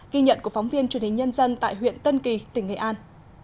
ghi nhận của phóng viên truyền hình nhân dân tại huyện tân kỳ tỉnh nghệ an